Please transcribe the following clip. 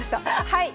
はい！